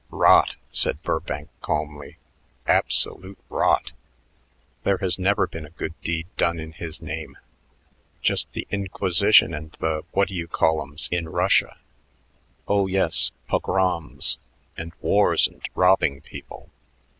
"Rot," said Burbank calmly, "absolute rot. There has never been a good deed done in His name; just the Inquisition and the what do you call 'ems in Russia. Oh, yes, pogroms and wars and robbing people.